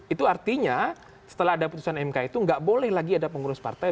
itu artinya setelah ada putusan mk itu nggak boleh lagi ada pengurus partai